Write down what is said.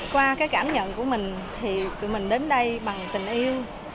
qua cái cảm nhận của mình thì tụi mình đến đây bằng tình yêu